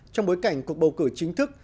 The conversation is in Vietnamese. trong bối cảnh cuộc bầu cử chính thức